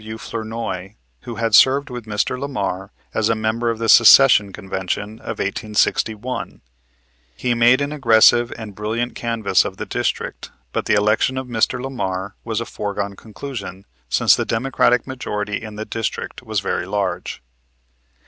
W. Flournoy, who had served with Mr. Lamar as a member of the Secession Convention of 1861. He made an aggressive and brilliant canvass of the district, but the election of Mr. Lamar was a foregone conclusion, since the Democratic majority in the district was very large.